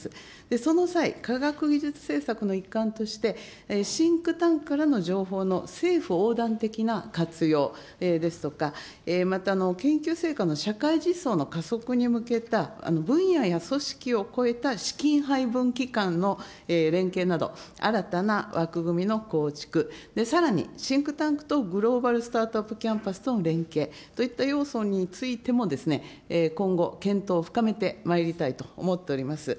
その際、科学技術政策の一環として、シンクタンクからの情報の政府横断的な活用ですとか、また、研究成果の社会実装の加速に向けた、分野や組織を超えた資金配分機関の連携など、新たな枠組みの構築、さらに、シンクタンクとグローバルスタートアップキャンパスとの連携といった要素についても、今後、検討を深めてまいりたいと思っております。